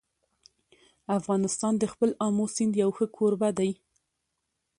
افغانستان د خپل آمو سیند یو ښه کوربه دی.